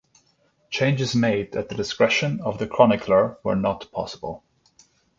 Changes made at the discretion of the chronicler were not possible.